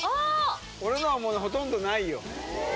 俺のはもうほとんどないよ。